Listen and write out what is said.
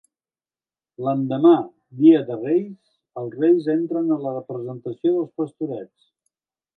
L'endemà, dia de reis, els reis entren a la representació dels Pastorets.